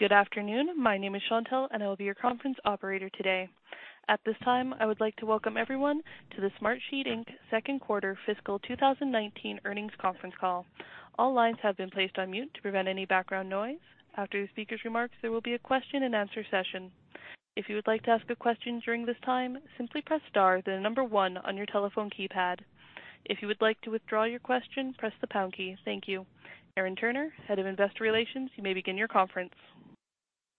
Good afternoon. My name is Chantelle, and I'll be your conference operator today. At this time, I would like to welcome everyone to the Smartsheet Inc. second quarter fiscal 2019 earnings conference call. All lines have been placed on mute to prevent any background noise. After the speaker's remarks, there will be a question and answer session. If you would like to ask a question during this time, simply press star, then the number 1 on your telephone keypad. If you would like to withdraw your question, press the pound key. Thank you. Aaron Turner, Head of Investor Relations, you may begin your conference.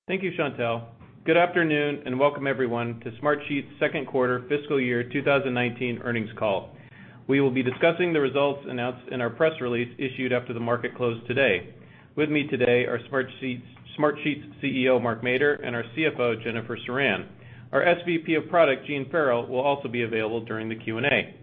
Thank you, Chantelle. Good afternoon, and welcome everyone to Smartsheet's second quarter fiscal year 2019 earnings call. We will be discussing the results announced in our press release issued after the market closed today. With me today are Smartsheet's CEO, Mark Mader, and our CFO, Jennifer Ceran. Our SVP of Product, Gene Farrell, will also be available during the Q&A.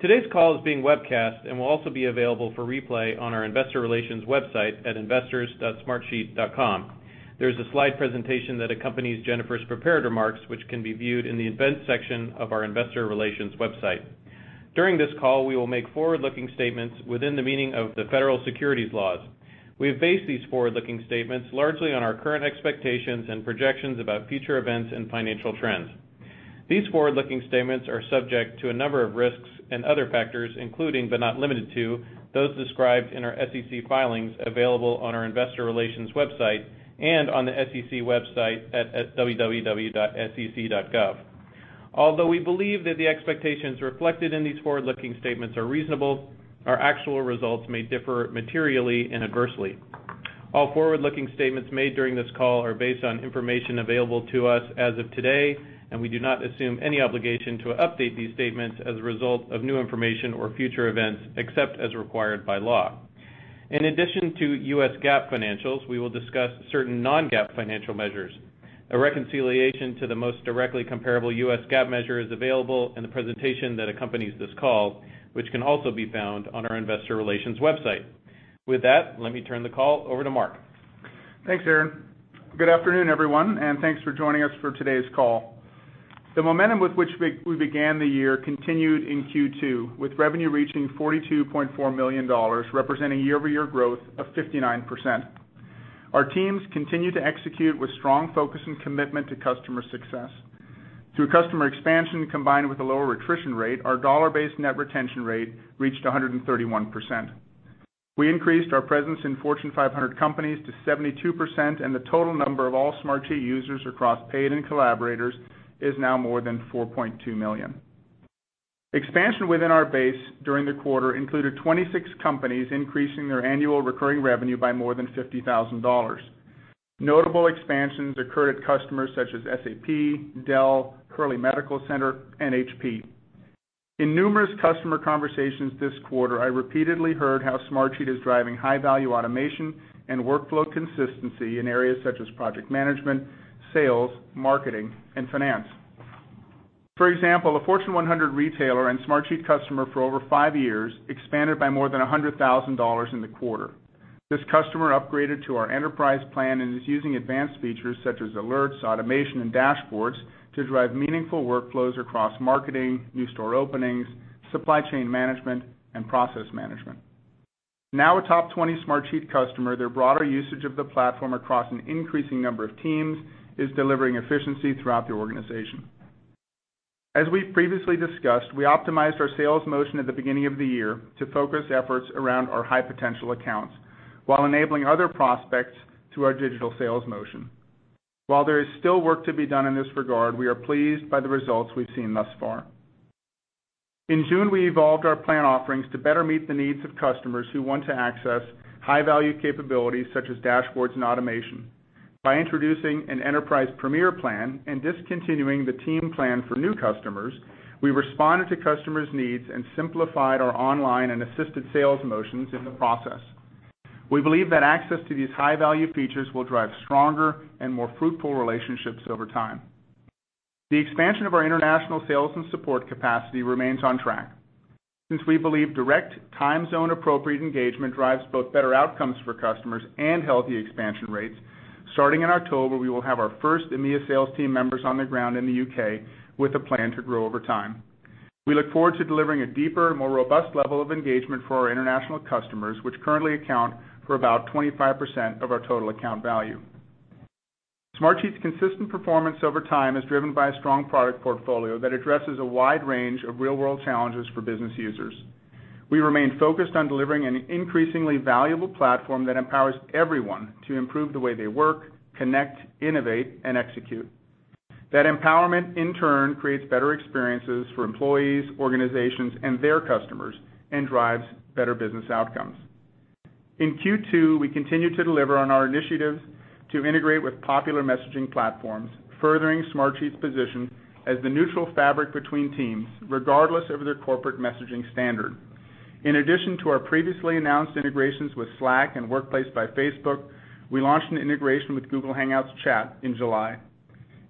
Today's call is being webcast and will also be available for replay on our investor relations website at investors.smartsheet.com. There's a slide presentation that accompanies Jennifer's prepared remarks, which can be viewed in the events section of our investor relations website. These forward-looking statements are subject to a number of risks and other factors, including, but not limited to, those described in our SEC filings available on our investor relations website and on the SEC website at www.sec.gov. Although we believe that the expectations reflected in these forward-looking statements are reasonable, our actual results may differ materially and adversely. All forward-looking statements made during this call are based on information available to us as of today, and we do not assume any obligation to update these statements as a result of new information or future events, except as required by law. In addition to U.S. GAAP financials, we will discuss certain non-GAAP financial measures. A reconciliation to the most directly comparable U.S. GAAP measure is available in the presentation that accompanies this call, which can also be found on our investor relations website. With that, let me turn the call over to Mark. Thanks, Aaron. Good afternoon, everyone, thanks for joining us for today's call. The momentum with which we began the year continued in Q2, with revenue reaching $42.4 million, representing year-over-year growth of 59%. Our teams continue to execute with strong focus and commitment to customer success. Through customer expansion combined with a lower attrition rate, our dollar-based net retention rate reached 131%. We increased our presence in Fortune 500 companies to 72%. The total number of all Smartsheet users across paid and collaborators is now more than 4.2 million. Expansion within our base during the quarter included 26 companies increasing their annual recurring revenue by more than $50,000. Notable expansions occurred at customers such as SAP, Dell, Hurley Medical Center, and HP. In numerous customer conversations this quarter, I repeatedly heard how Smartsheet is driving high-value automation and workflow consistency in areas such as project management, sales, marketing, and finance. For example, a Fortune 100 retailer and Smartsheet customer for over five years expanded by more than $100,000 in the quarter. This customer upgraded to our Enterprise plan and is using advanced features such as alerts, automation, and dashboards to drive meaningful workflows across marketing, new store openings, supply chain management, and process management. Now a top 20 Smartsheet customer, their broader usage of the platform across an increasing number of teams is delivering efficiency throughout the organization. As we've previously discussed, we optimized our sales motion at the beginning of the year to focus efforts around our high-potential accounts while enabling other prospects through our digital sales motion. While there is still work to be done in this regard, we are pleased by the results we've seen thus far. In June, we evolved our plan offerings to better meet the needs of customers who want to access high-value capabilities such as dashboards and automation. By introducing an Enterprise Premier plan and discontinuing the Team plan for new customers, we responded to customers' needs and simplified our online and assisted sales motions in the process. We believe that access to these high-value features will drive stronger and more fruitful relationships over time. The expansion of our international sales and support capacity remains on track. Since we believe direct time zone-appropriate engagement drives both better outcomes for customers and healthy expansion rates, starting in October, we will have our first EMEA sales team members on the ground in the U.K. with a plan to grow over time. We look forward to delivering a deeper, more robust level of engagement for our international customers, which currently account for about 25% of our total account value. Smartsheet's consistent performance over time is driven by a strong product portfolio that addresses a wide range of real-world challenges for business users. We remain focused on delivering an increasingly valuable platform that empowers everyone to improve the way they work, connect, innovate, and execute. That empowerment, in turn, creates better experiences for employees, organizations, and their customers and drives better business outcomes. In Q2, we continued to deliver on our initiatives to integrate with popular messaging platforms, furthering Smartsheet's position as the neutral fabric between teams, regardless of their corporate messaging standard. In addition to our previously announced integrations with Slack and Workplace by Facebook, we launched an integration with Google Hangouts Chat in July.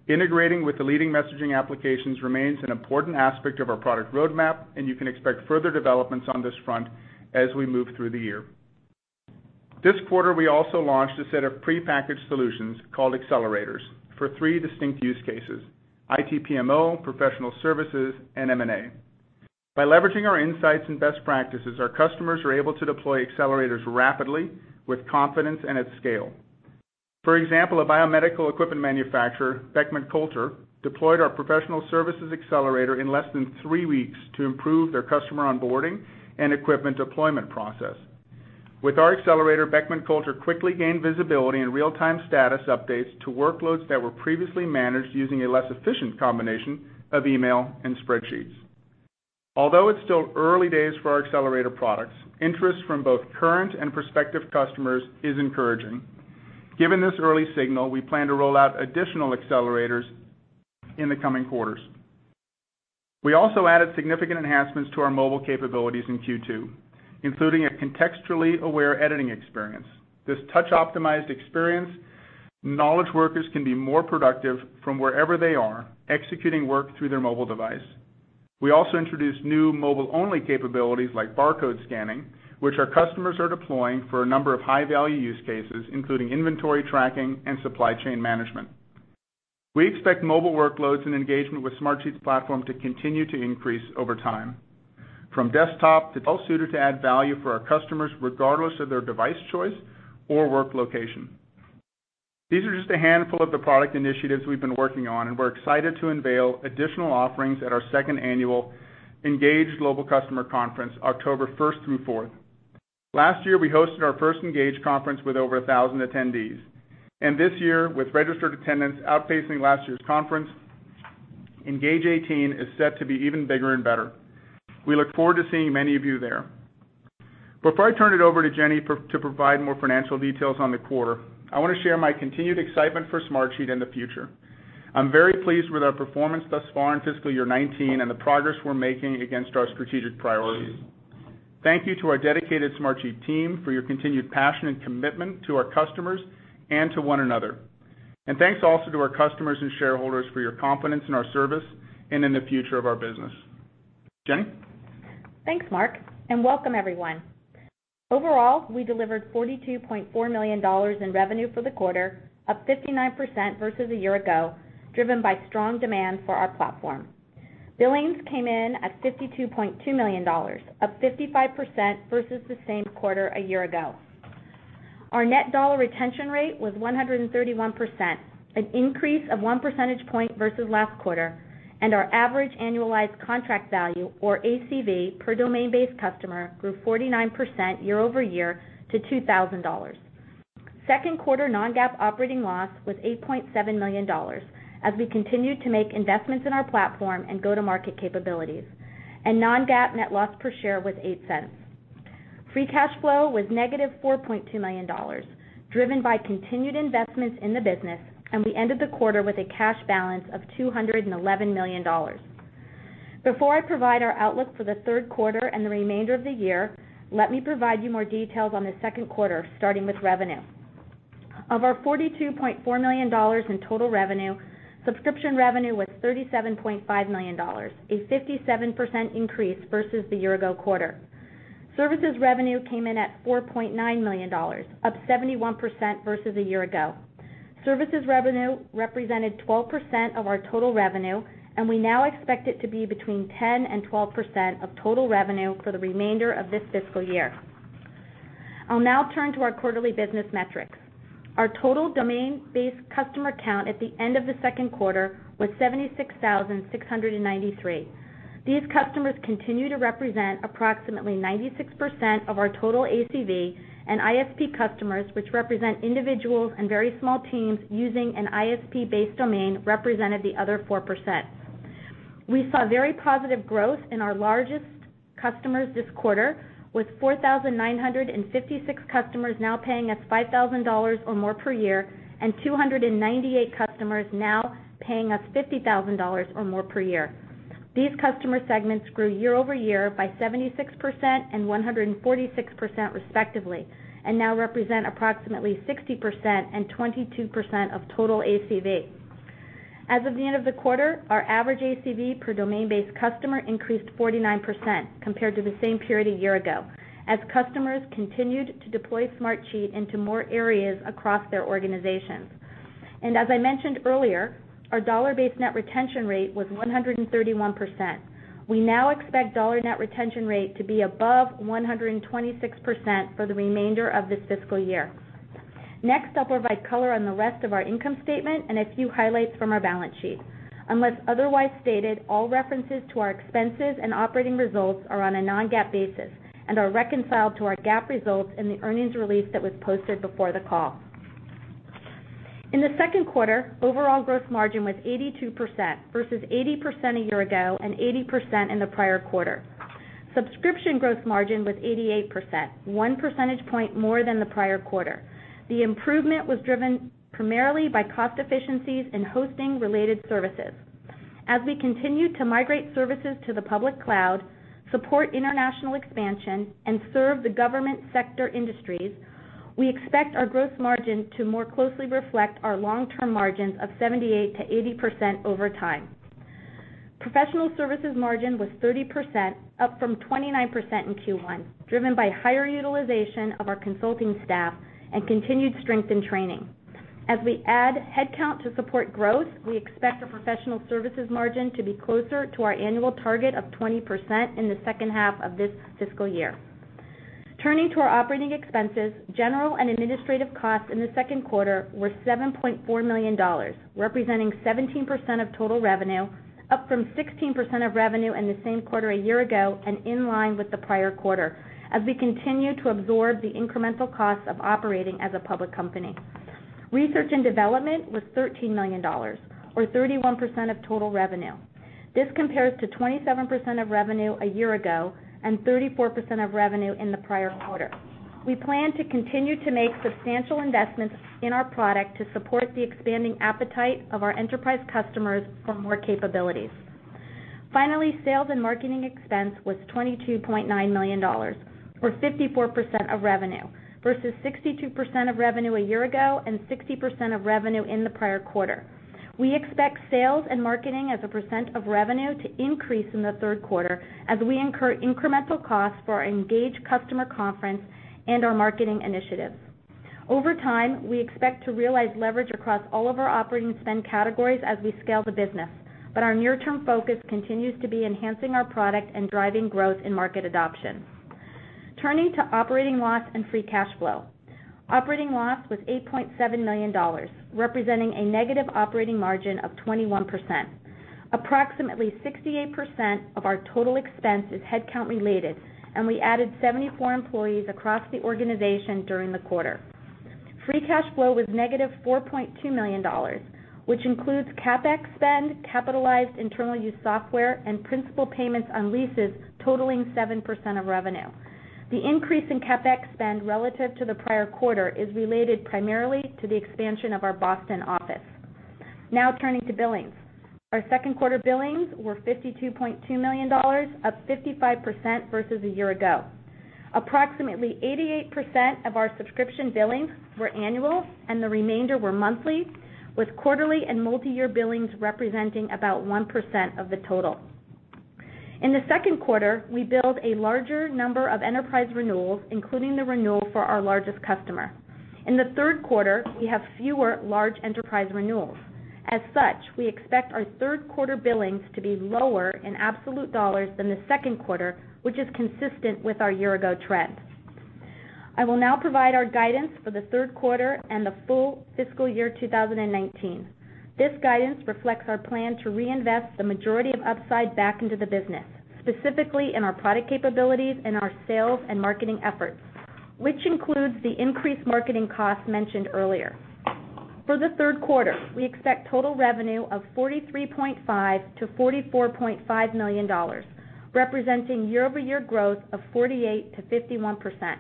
Integrating with the leading messaging applications remains an important aspect of our product roadmap, and you can expect further developments on this front as we move through the year. This quarter, we also launched a set of prepackaged solutions called Accelerators for three distinct use cases: IT PMO, professional services, and M&A. By leveraging our insights and best practices, our customers are able to deploy Accelerators rapidly, with confidence, and at scale. For example, a biomedical equipment manufacturer, Beckman Coulter, deployed our professional services Accelerator in less than three weeks to improve their customer onboarding and equipment deployment process. With our Accelerator, Beckman Coulter quickly gained visibility and real-time status updates to workloads that were previously managed using a less efficient combination of email and spreadsheets. Although it's still early days for our Accelerator products, interest from both current and prospective customers is encouraging. Given this early signal, we plan to roll out additional Accelerators in the coming quarters. We also added significant enhancements to our mobile capabilities in Q2, including a contextually aware editing experience. With this touch-optimized experience, knowledge workers can be more productive from wherever they are, executing work through their mobile device. We also introduced new mobile-only capabilities like barcode scanning, which our customers are deploying for a number of high-value use cases, including inventory tracking and supply chain management. We expect mobile workloads and engagement with Smartsheet's platform to continue to increase over time. From desktop to well-suited to add value for our customers regardless of their device choice or work location. These are just a handful of the product initiatives we've been working on, and we're excited to unveil additional offerings at our second annual ENGAGE Global Customer Conference, October 1st through 4th. Last year, we hosted our first ENGAGE conference with over 1,000 attendees, and this year, with registered attendance outpacing last year's conference, ENGAGE'18 is set to be even bigger and better. We look forward to seeing many of you there. Before I turn it over to Jenny to provide more financial details on the quarter, I want to share my continued excitement for Smartsheet in the future. I'm very pleased with our performance thus far in fiscal year 2019 and the progress we're making against our strategic priorities. Thanks also to our customers and shareholders for your confidence in our service and in the future of our business. Jenny? Thanks, Mark, and welcome everyone. Overall, we delivered $42.4 million in revenue for the quarter, up 59% versus a year ago, driven by strong demand for our platform. Billings came in at $52.2 million, up 55% versus the same quarter a year ago. Our net dollar retention rate was 131%, an increase of one percentage point versus last quarter, and our average annualized contract value, or ACV, per domain-based customer grew 49% year-over-year to $2,000. Second quarter non-GAAP operating loss was $8.7 million as we continued to make investments in our platform and go-to-market capabilities, and non-GAAP net loss per share was $0.08. Free cash flow was negative $4.2 million, driven by continued investments in the business, and we ended the quarter with a cash balance of $211 million. Before I provide our outlook for the third quarter and the remainder of the year, let me provide you more details on the second quarter, starting with revenue. Of our $42.4 million in total revenue, subscription revenue was $37.5 million, a 57% increase versus the year-ago quarter. Services revenue came in at $4.9 million, up 71% versus a year ago. Services revenue represented 12% of our total revenue, and we now expect it to be between 10% and 12% of total revenue for the remainder of this fiscal year. I'll now turn to our quarterly business metrics. Our total domain-based customer count at the end of the second quarter was 76,693. These customers continue to represent approximately 96% of our total ACV, and ISP customers, which represent individuals and very small teams using an ISP-based domain, represented the other 4%. We saw very positive growth in our largest customers this quarter, with 4,956 customers now paying us $5,000 or more per year and 298 customers now paying us $50,000 or more per year. These customer segments grew year-over-year by 76% and 146% respectively and now represent approximately 60% and 22% of total ACV. As of the end of the quarter, our average ACV per domain-based customer increased 49% compared to the same period a year ago as customers continued to deploy Smartsheet into more areas across their organizations. As I mentioned earlier, our dollar-based net retention rate was 131%. We now expect dollar net retention rate to be above 126% for the remainder of this fiscal year. Next, I'll provide color on the rest of our income statement and a few highlights from our balance sheet. Unless otherwise stated, all references to our expenses and operating results are on a non-GAAP basis and are reconciled to our GAAP results in the earnings release that was posted before the call. In the second quarter, overall growth margin was 82% versus 80% a year ago and 80% in the prior quarter. Subscription growth margin was 88%, one percentage point more than the prior quarter. The improvement was driven primarily by cost efficiencies in hosting-related services. As we continue to migrate services to the public cloud, support international expansion, and serve the government sector industries, we expect our growth margin to more closely reflect our long-term margins of 78%-80% over time. Professional services margin was 30%, up from 29% in Q1, driven by higher utilization of our consulting staff and continued strength in training. As we add headcount to support growth, we expect the professional services margin to be closer to our annual target of 20% in the second half of this fiscal year. Turning to our operating expenses, general and administrative costs in the second quarter were $7.4 million, representing 17% of total revenue, up from 16% of revenue in the same quarter a year ago, and in line with the prior quarter, as we continue to absorb the incremental costs of operating as a public company. Research and development was $13 million, or 31% of total revenue. This compares to 27% of revenue a year ago and 34% of revenue in the prior quarter. We plan to continue to make substantial investments in our product to support the expanding appetite of our enterprise customers for more capabilities. Finally, sales and marketing expense was $22.9 million, or 54% of revenue, versus 62% of revenue a year ago and 60% of revenue in the prior quarter. We expect sales and marketing as a percent of revenue to increase in the third quarter as we incur incremental costs for our ENGAGE Customer Conference and our marketing initiatives. Over time, we expect to realize leverage across all of our operating spend categories as we scale the business. Our near-term focus continues to be enhancing our product and driving growth in market adoption. Turning to operating loss and free cash flow. Operating loss was $8.7 million, representing a negative operating margin of 21%. Approximately 68% of our total expense is headcount related, and we added 74 employees across the organization during the quarter. Free cash flow was negative $4.2 million, which includes CapEx spend, capitalized internal use software, and principal payments on leases totaling 7% of revenue. The increase in CapEx spend relative to the prior quarter is related primarily to the expansion of our Boston office. Now turning to billings. Our second quarter billings were $52.2 million, up 55% versus a year ago. Approximately 88% of our subscription billings were annual and the remainder were monthly, with quarterly and multi-year billings representing about 1% of the total. In the second quarter, we billed a larger number of enterprise renewals, including the renewal for our largest customer. In the third quarter, we have fewer large enterprise renewals. As such, we expect our third quarter billings to be lower in absolute dollars than the second quarter, which is consistent with our year-ago trend. I will now provide our guidance for the third quarter and the full fiscal year 2019. This guidance reflects our plan to reinvest the majority of upside back into the business, specifically in our product capabilities and our sales and marketing efforts, which includes the increased marketing costs mentioned earlier. For the third quarter, we expect total revenue of $43.5 million-$44.5 million, representing year-over-year growth of 48%-51%.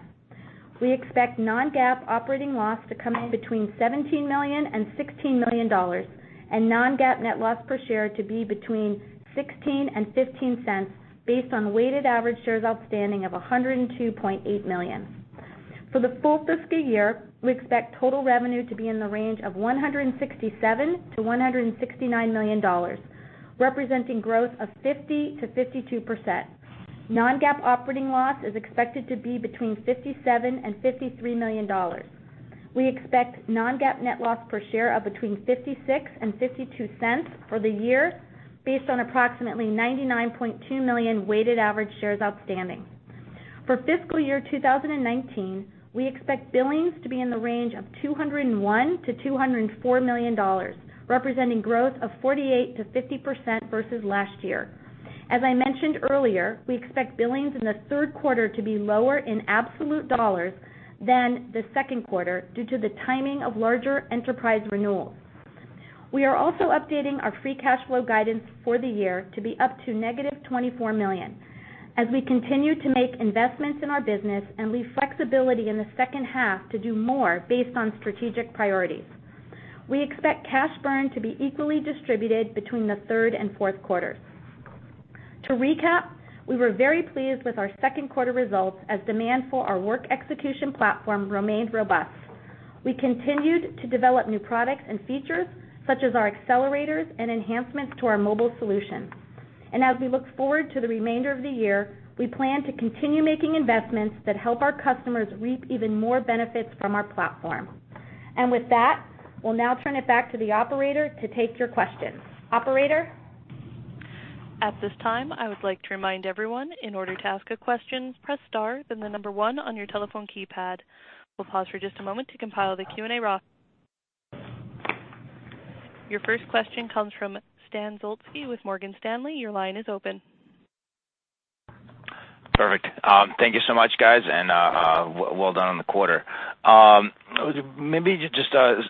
We expect non-GAAP operating loss to come in between $17 million and $16 million, and non-GAAP net loss per share to be between $0.16 and $0.15, based on weighted average shares outstanding of 102.8 million. For the full fiscal year, we expect total revenue to be in the range of $167 million-$169 million, representing growth of 50%-52%. Non-GAAP operating loss is expected to be between $57 million and $53 million. We expect non-GAAP net loss per share of between $0.56 and $0.52 for the year, based on approximately 99.2 million weighted average shares outstanding. For fiscal year 2019, we expect billings to be in the range of $201 million-$204 million, representing growth of 48%-50% versus last year. As I mentioned earlier, we expect billings in the third quarter to be lower in absolute dollars than the second quarter due to the timing of larger enterprise renewals. We are also updating our free cash flow guidance for the year to be up to negative $24 million, as we continue to make investments in our business and leave flexibility in the second half to do more based on strategic priorities. We expect cash burn to be equally distributed between the third and fourth quarters. To recap, we were very pleased with our second quarter results as demand for our work execution platform remained robust. We continued to develop new products and features, such as our Smartsheet Accelerators and enhancements to our mobile solution. As we look forward to the remainder of the year, we plan to continue making investments that help our customers reap even more benefits from our platform. With that, we'll now turn it back to the operator to take your questions. Operator? At this time, I would like to remind everyone, in order to ask a question, press star then the number one on your telephone keypad. We'll pause for just a moment to compile the Q&A roster. Your first question comes from Stan Zlotsky with Morgan Stanley. Your line is open. Perfect. Thank you so much, guys, well done on the quarter. Maybe just start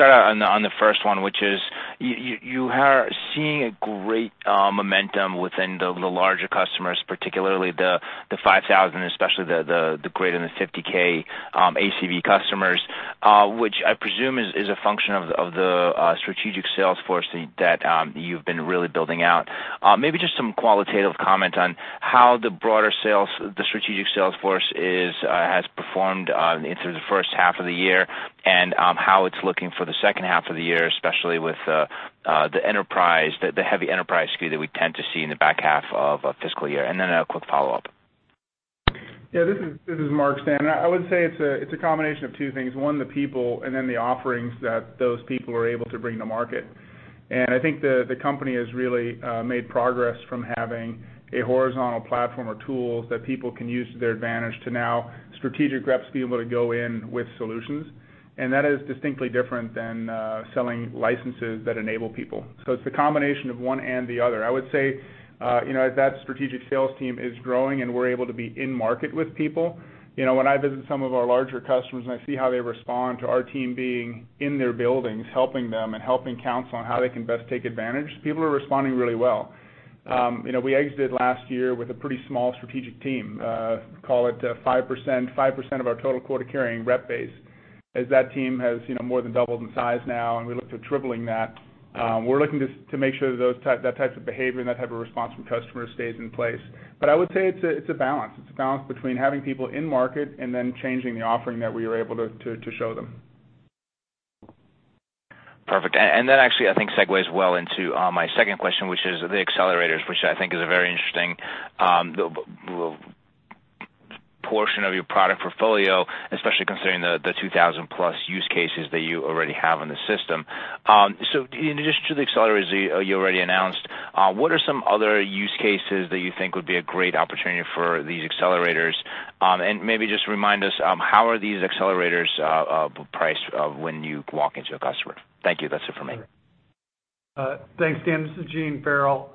out on the first one, which is, you are seeing a great momentum within the larger customers, particularly the 5,000, especially the greater than 50K ACV customers, which I presume is a function of the strategic sales force that you've been really building out. Some qualitative comment on how the broader strategic sales force has performed through the first half of the year and how it's looking for the second half of the year, especially with the heavy enterprise skew that we tend to see in the back half of a fiscal year. Then a quick follow-up. Mark, Stan. I would say it's a combination of two things. One, the people, and then the offerings that those people are able to bring to market. I think the company has really made progress from having a horizontal platform or tools that people can use to their advantage, to now strategic reps being able to go in with solutions. That is distinctly different than selling licenses that enable people. It's the combination of one and the other. I would say, as that strategic sales team is growing and we're able to be in market with people, when I visit some of our larger customers, and I see how they respond to our team being in their buildings, helping them and helping counsel on how they can best take advantage, people are responding really well. We exited last year with a pretty small strategic team, call it 5% of our total quota-carrying rep base. As that team has more than doubled in size now, and we look to tripling that, we're looking to make sure that type of behavior and that type of response from customers stays in place. I would say it's a balance. It's a balance between having people in market and then changing the offering that we are able to show them. Perfect. That actually, I think, segues well into my second question, which is the Accelerators, which I think is a very interesting portion of your product portfolio, especially considering the 2,000-plus use cases that you already have in the system. In addition to the Accelerators that you already announced, what are some other use cases that you think would be a great opportunity for these Accelerators? Maybe just remind us, how are these Accelerators priced when you walk into a customer? Thank you. That's it for me. Thanks, Stan. This is Gene Farrell.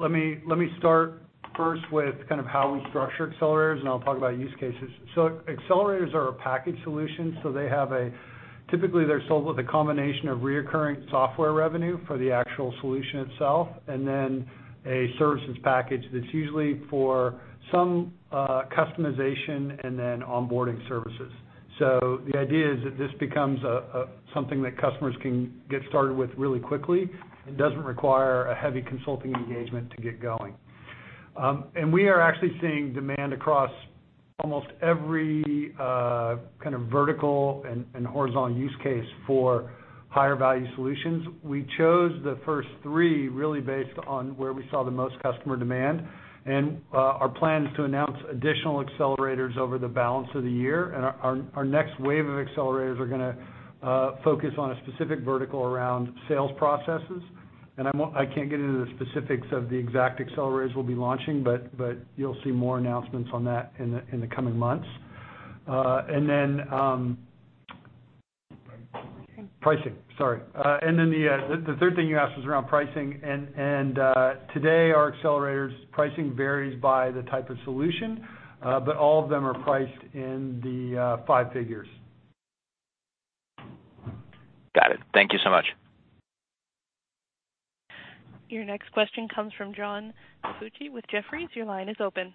Let me start first with how we structure Accelerators, and I'll talk about use cases. Accelerators are a packaged solution. Typically, they're sold with a combination of reoccurring software revenue for the actual solution itself, and then a services package that's usually for some customization and then onboarding services. The idea is that this becomes something that customers can get started with really quickly. It doesn't require a heavy consulting engagement to get going. We are actually seeing demand across almost every kind of vertical and horizontal use case for higher-value solutions. We chose the first three really based on where we saw the most customer demand, and our plan is to announce additional Accelerators over the balance of the year. Our next wave of Accelerators are going to focus on a specific vertical around sales processes. I can't get into the specifics of the exact Accelerators we'll be launching, but you'll see more announcements on that in the coming months. Pricing Pricing, sorry. The third thing you asked was around pricing, and today our Accelerators' pricing varies by the type of solution, but all of them are priced in the five figures. Got it. Thank you so much. Your next question comes from John DiFucci with Jefferies. Your line is open.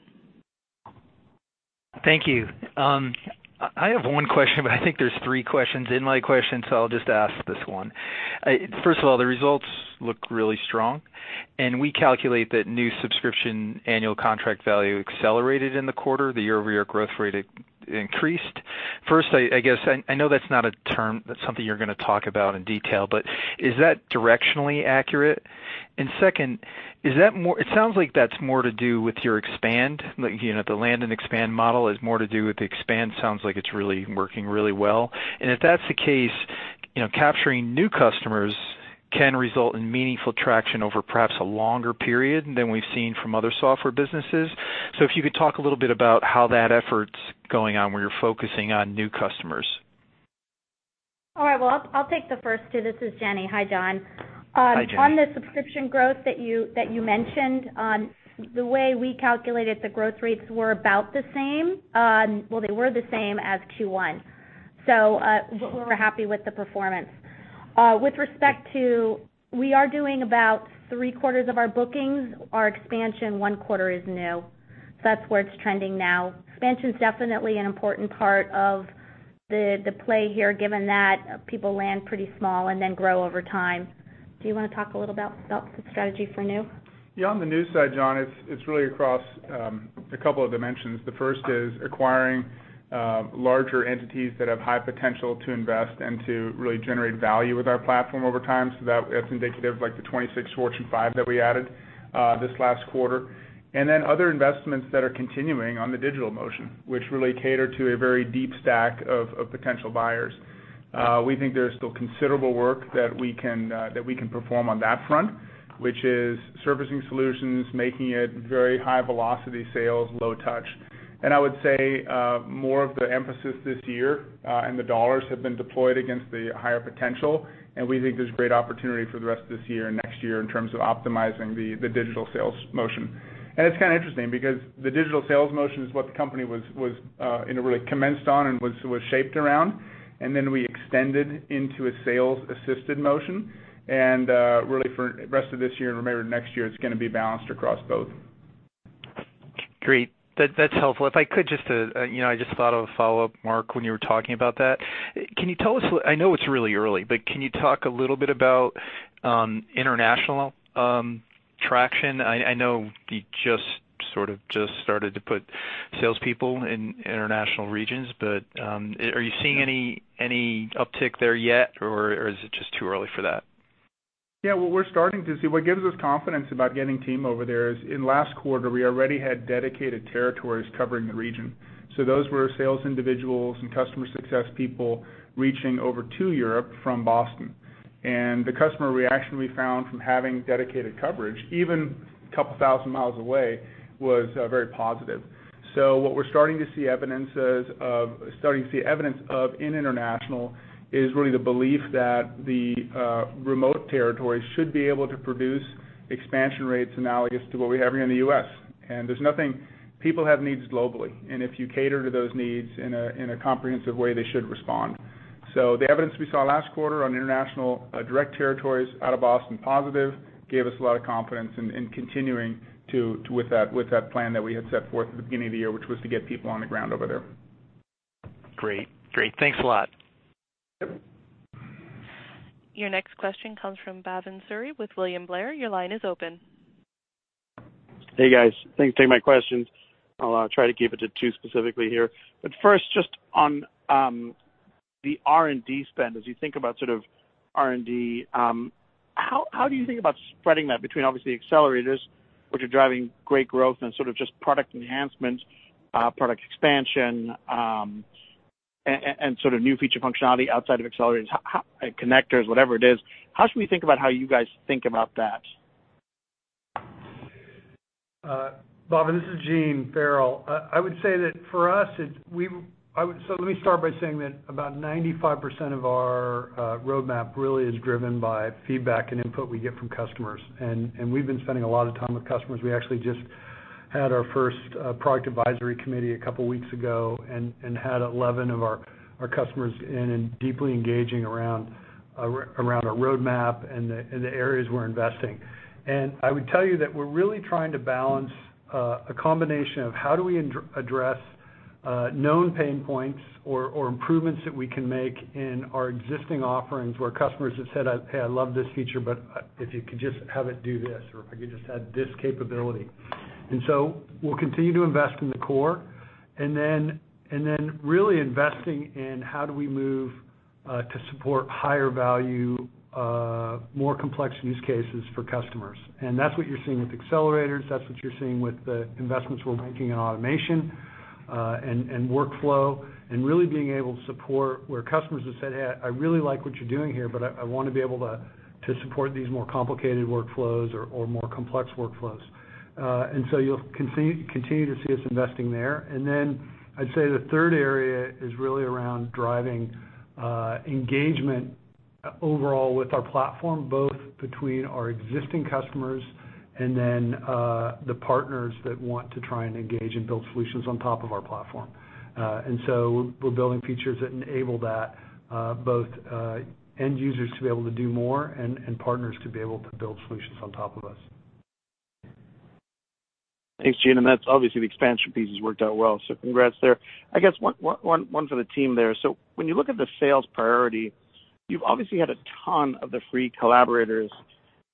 Thank you. I have one question, but I think there's three questions in my question, so I'll just ask this one. First of all, the results look really strong, we calculate that new subscription annual contract value accelerated in the quarter, the year-over-year growth rate increased. First, I guess I know that's not a term that's something you're going to talk about in detail, is that directionally accurate? Second, it sounds like that's more to do with your expand. The land and expand model is more to do with the expand, sounds like it's really working really well. If that's the case, capturing new customers can result in meaningful traction over perhaps a longer period than we've seen from other software businesses. If you could talk a little bit about how that effort's going on, where you're focusing on new customers. All right. Well, I'll take the first two. This is Jenny. Hi, John. Hi, Jenny. On the subscription growth that you mentioned, the way we calculated the growth rates were about the same. Well, they were the same as Q1. We're happy with the performance. With respect to, we are doing about three-quarters of our bookings. (Our expansion, one quarter is new). That's where it's trending now. Expansion's definitely an important part of the play here, given that people land pretty small and then grow over time. Do you want to talk a little about the strategy for new? Yeah, on the new side, John, it's really across a couple of dimensions. The first is acquiring larger entities that have high potential to invest and to really generate value with our platform over time. That's indicative, like the 26 Fortune 500 that we added this last quarter. Other investments that are continuing on the digital motion, which really cater to a very deep stack of potential buyers. We think there is still considerable work that we can perform on that front, which is servicing solutions, making it very high-velocity sales, low touch. I would say, more of the emphasis this year, and the dollars, have been deployed against the higher potential, and we think there's great opportunity for the rest of this year and next year in terms of optimizing the digital sales motion. It's kind of interesting because the digital sales motion is what the company really commenced on and was shaped around. Then we extended into a sales-assisted motion. Really for the rest of this year and maybe next year, it's going to be balanced across both. Great. That's helpful. If I could just, I just thought of a follow-up, Mark, when you were talking about that. I know it's really early, but can you talk a little bit about international traction? I know you just started to put salespeople in international regions, but are you seeing any uptick there yet, or is it just too early for that? Yeah. Well, we're starting to see. What gives us confidence about getting team over there is, in last quarter, we already had dedicated territories covering the region. Those were sales individuals and customer success people reaching over to Europe from Boston. The customer reaction we found from having dedicated coverage, even a couple of thousand miles away, was very positive. What we're starting to see evidence of in international is really the belief that the remote territories should be able to produce expansion rates analogous to what we have here in the U.S. People have needs globally, and if you cater to those needs in a comprehensive way, they should respond. The evidence we saw last quarter on international direct territories out of Boston, positive, gave us a lot of confidence in continuing with that plan that we had set forth at the beginning of the year, which was to get people on the ground over there. Great. Thanks a lot. Yep. Your next question comes from Bhavin Suri with William Blair. Your line is open. Hey, guys. Thanks for taking my questions. I'll try to keep it to two specifically here. First, just on the R&D spend, as you think about R&D, how do you think about spreading that between obviously accelerators, which are driving great growth, and just product enhancements, product expansion, and new feature functionality outside of accelerators, connectors, whatever it is. How should we think about how you guys think about that? Bhavin, this is Gene Farrell. Let me start by saying that about 95% of our roadmap really is driven by feedback and input we get from customers. We've been spending a lot of time with customers. We actually just had our first product advisory committee a couple of weeks ago and had 11 of our customers in, deeply engaging around our roadmap and the areas we're investing. I would tell you that we're really trying to balance a combination of how do we address known pain points or improvements that we can make in our existing offerings where customers have said, "Hey, I love this feature, but if you could just have it do this," or, "If I could just have this capability." We'll continue to invest in the core, then really investing in how do we move to support higher value, more complex use cases for customers. That's what you're seeing with Smartsheet Accelerators. That's what you're seeing with the investments we're making in automation and workflow, really being able to support where customers have said, "Hey, I really like what you're doing here, but I want to be able to support these more complicated workflows or more complex workflows." You'll continue to see us investing there. Then I'd say the third area is really around driving engagement overall with our platform, both between our existing customers and then the partners that want to try and engage and build solutions on top of our platform. We're building features that enable that, both end users to be able to do more and partners to be able to build solutions on top of us. Thanks, Gene. That's obviously the expansion piece has worked out well. Congrats there. I guess one for the team there. When you look at the sales priority, you've obviously had a ton of the free collaborators.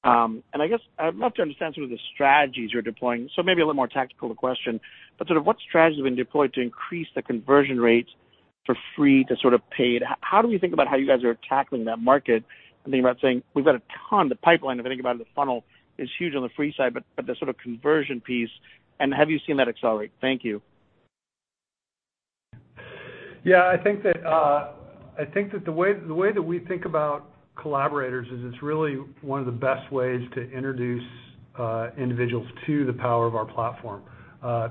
I guess I'd love to understand some of the strategies you're deploying. Maybe a little more tactical the question, but what strategy has been deployed to increase the conversion rates for free to paid? How do we think about how you guys are tackling that market and thinking about saying, we've got a ton the pipeline, if you think about it, the funnel is huge on the free side, but the sort of conversion piece. Have you seen that accelerate? Thank you. Yeah, I think that the way that we think about collaborators is it's really one of the best ways to introduce individuals to the power of our platform.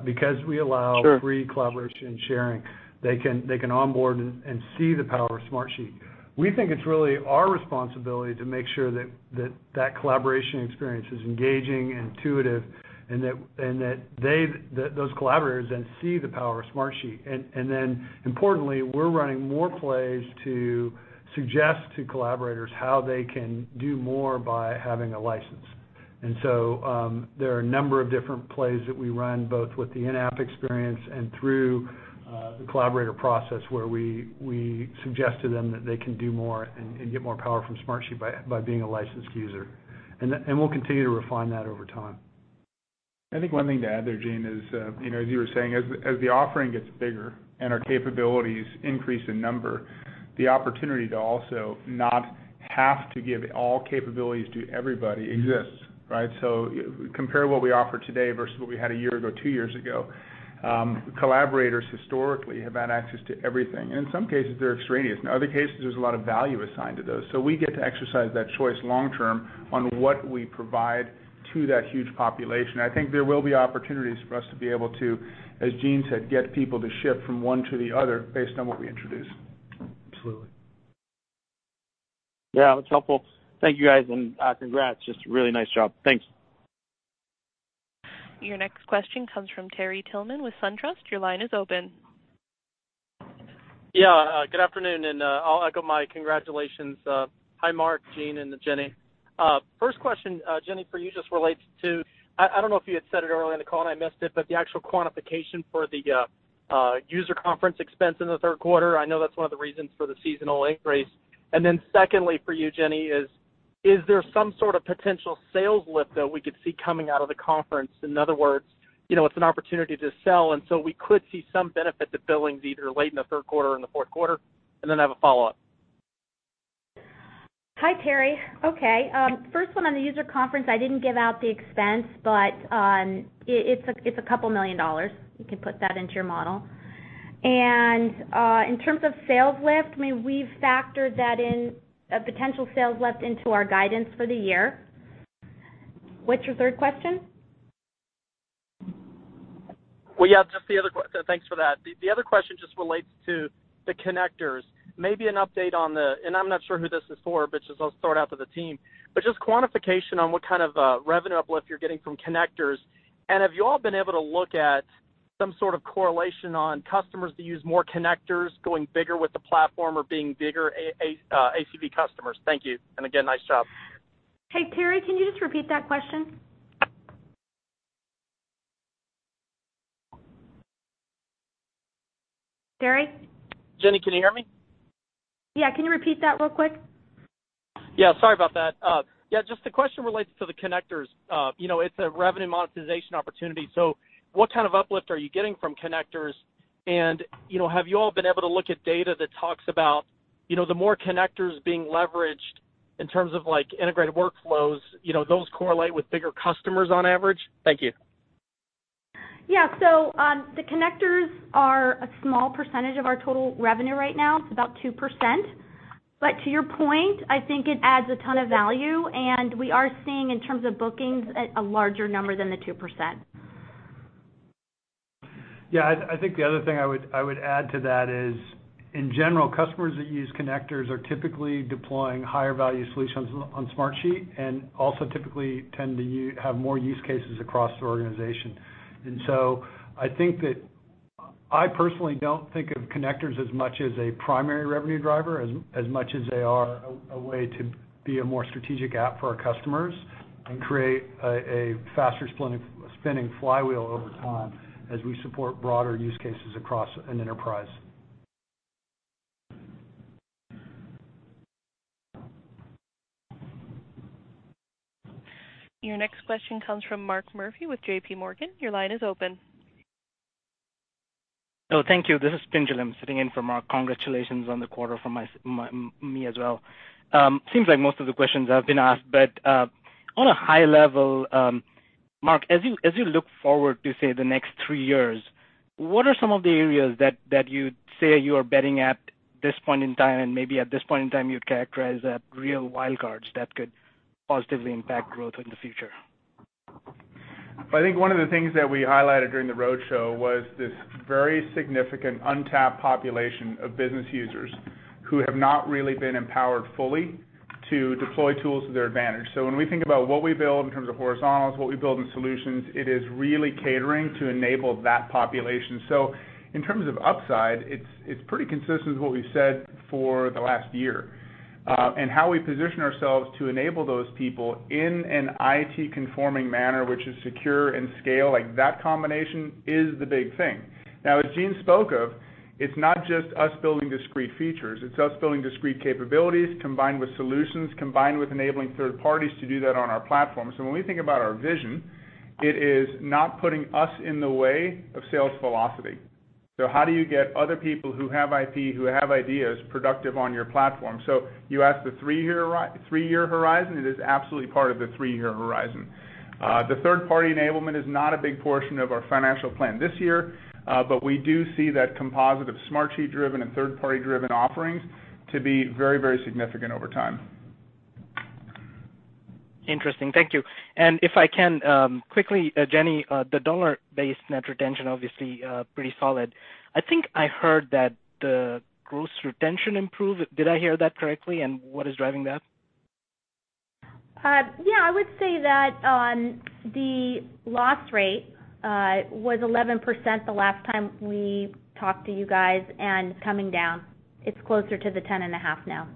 Because we allow- Sure free collaboration and sharing, they can onboard and see the power of Smartsheet. We think it's really our responsibility to make sure that that collaboration experience is engaging and intuitive and that those collaborators then see the power of Smartsheet. Then importantly, we're running more plays to suggest to collaborators how they can do more by having a license. So, there are a number of different plays that we run, both with the in-app experience and through the collaborator process, where we suggest to them that they can do more and get more power from Smartsheet by being a licensed user. We'll continue to refine that over time. I think one thing to add there, Gene, is, as you were saying, as the offering gets bigger and our capabilities increase in number, the opportunity to also not have to give all capabilities to everybody exists, right? Compare what we offer today versus what we had a year ago, two years ago. Collaborators historically have had access to everything. In some cases, they're extraneous. In other cases, there's a lot of value assigned to those. We get to exercise that choice long term on what we provide to that huge population. I think there will be opportunities for us to be able to, as Gene said, get people to shift from one to the other based on what we introduce. Absolutely. Yeah. That's helpful. Thank you, guys, and congrats. Just a really nice job. Thanks. Your next question comes from Terry Tillman with SunTrust. Your line is open. Yeah. Good afternoon, I'll echo my congratulations. Hi, Mark, Gene, and Jenny. First question, Jenny, for you, just relates to, I don't know if you had said it earlier in the call and I missed it, but the actual quantification for the user conference expense in the third quarter. I know that's one of the reasons for the seasonal increase. Then secondly for you, Jenny is there some sort of potential sales lift that we could see coming out of the conference? In other words, it's an opportunity to sell, so we could see some benefit to billings either late in the third quarter or in the fourth quarter. Then I have a follow-up. Hi, Terry. Okay. First one on the user conference, I didn't give out the expense, but it's a couple million dollars. You can put that into your model. In terms of sales lift, we've factored that in, a potential sales lift into our guidance for the year. What's your third question? Well, yeah. Thanks for that. The other question just relates to the connectors. Maybe an update on the, I'm not sure who this is for, but just I'll throw it out to the team, but just quantification on what kind of revenue uplift you're getting from connectors. Have you all been able to look at some sort of correlation on customers that use more connectors going bigger with the platform or being bigger ACV customers? Thank you. Again, nice job. Hey, Terry, can you just repeat that question? Terry? Jenny, can you hear me? Yeah. Can you repeat that real quick? Yeah. Sorry about that. Yeah, just the question relates to the connectors. It's a revenue monetization opportunity. What kind of uplift are you getting from connectors? Have you all been able to look at data that talks about, the more connectors being leveraged in terms of integrated workflows, those correlate with bigger customers on average? Thank you. Yeah. The connectors are a small percentage of our total revenue right now. It's about 2%. To your point, I think it adds a ton of value, and we are seeing, in terms of bookings, a larger number than the 2%. Yeah. I think the other thing I would add to that is, in general, customers that use connectors are typically deploying higher value solutions on Smartsheet, and also typically tend to have more use cases across the organization. I personally don't think of connectors as much as a primary revenue driver as much as they are a way to be a more strategic app for our customers and create a faster spinning flywheel over time as we support broader use cases across an enterprise. Your next question comes from Mark Murphy with JPMorgan. Your line is open. Oh, thank you. This is Pinjalim sitting in for Mark. Congratulations on the quarter from me as well. Seems like most of the questions have been asked, on a high level, Mark, as you look forward to, say, the next three years, what are some of the areas that you'd say you are betting at this point in time, and maybe at this point in time, you'd characterize as real wild cards that could positively impact growth in the future? I think one of the things that we highlighted during the roadshow was this very significant untapped population of business users who have not really been empowered fully to deploy tools to their advantage. When we think about what we build in terms of horizontals, what we build in solutions, it is really catering to enable that population. In terms of upside, it's pretty consistent with what we've said for the last year. How we position ourselves to enable those people in an IT-conforming manner, which is secure and scale, like that combination is the big thing. Now, as Gene spoke of, it's not just us building discrete features, it's us building discrete capabilities combined with solutions, combined with enabling third parties to do that on our platform. When we think about our vision, it is not putting us in the way of sales velocity. How do you get other people who have IP, who have ideas, productive on your platform? You asked the three-year horizon, it is absolutely part of the three-year horizon. The third-party enablement is not a big portion of our financial plan this year. We do see that composite of Smartsheet-driven and third-party-driven offerings to be very significant over time. Interesting. Thank you. If I can, quickly, Jenny, the dollar-based net retention, obviously, pretty solid. I think I heard that the gross retention improved. Did I hear that correctly? What is driving that? Yeah. I would say that the loss rate was 11% the last time we talked to you guys, and it's coming down. It's closer to 10.5% now.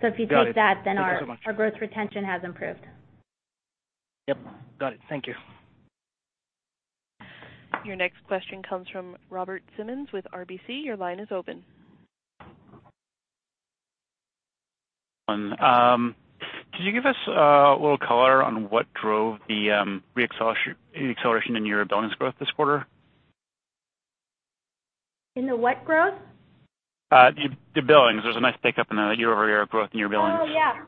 Got it. Thank you so much. If you take that, our gross retention has improved. Yep. Got it. Thank you. Your next question comes from Robert Simmons with RBC. Your line is open. Can you give us a little color on what drove the re-acceleration in your billings growth this quarter? In the what growth? The billings. There was a nice pickup in the year-over-year growth in your billings. Oh, yeah.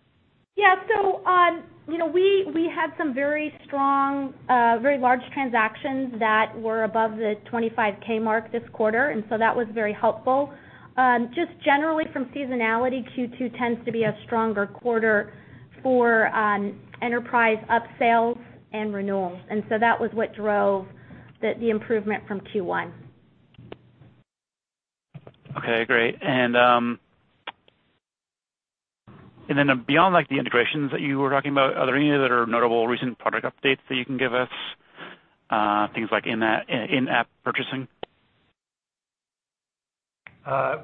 We had some very strong, very large transactions that were above the 25K mark this quarter, and so that was very helpful. Just generally from seasonality, Q2 tends to be a stronger quarter for enterprise upsales and renewals. That was what drove the improvement from Q1. Okay, great. Beyond the integrations that you were talking about, are there any other notable recent product updates that you can give us? Things like in-app purchasing.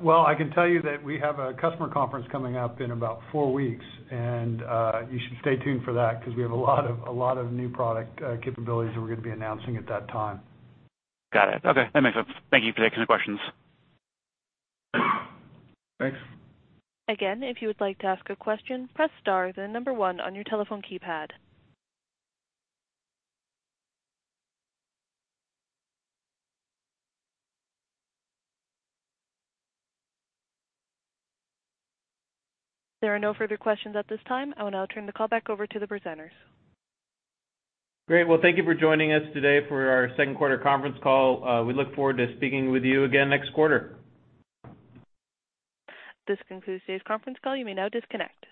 Well, I can tell you that we have a customer conference coming up in about four weeks, and you should stay tuned for that because we have a lot of new product capabilities that we're going to be announcing at that time. Got it. Okay. That makes sense. Thank you for taking the questions. Thanks. Again, if you would like to ask a question, press star, then number one on your telephone keypad. There are no further questions at this time. I will now turn the call back over to the presenters. Great. Well, thank you for joining us today for our second quarter conference call. We look forward to speaking with you again next quarter. This concludes today's conference call. You may now disconnect.